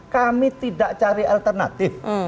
kami tidak cari alternatif